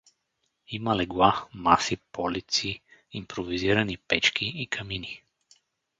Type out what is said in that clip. Има легла, маси, полици, импровизирани печки и камини.